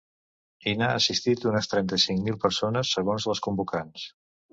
Hi na assistit unes trenta-cinc mil persones, segons les convocants.